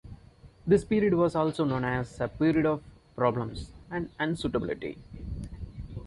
This period was also known as a period of problems and unsuitability.